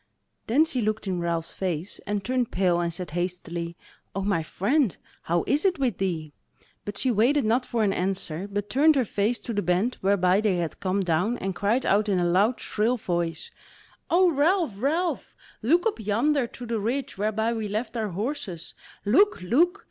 Then she looked in Ralph's face, and turned pale and said hastily: "O my friend how is it with thee?" But she waited not for an answer, but turned her face to the bent whereby they had come down, and cried out in a loud, shrill voice: "O Ralph, Ralph! look up yonder to the ridge whereby we left our horses; look, look!